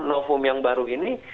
novum yang baru ini